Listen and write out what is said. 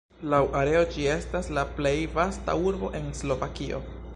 Laŭ areo ĝi estas la plej vasta urbo en Slovakio.